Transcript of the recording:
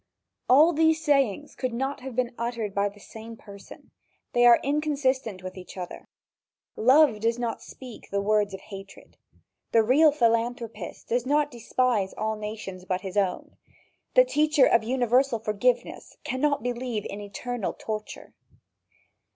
All these sayings could not have been uttered by the same person. They are inconsistent with each other. Love does not speak the words of hatred. The real philanthropist does not despise all nations but his own. The teacher of universal forgiveness cannot believe in eternal torture.